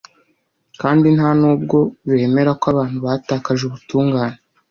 kandi nta n’ubwo bemera ko abantu batakaje ubutungane